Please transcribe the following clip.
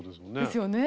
ですよね。